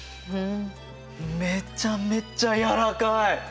めちゃめちゃ柔らかい！